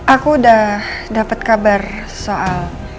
aku udah dapat kabar soal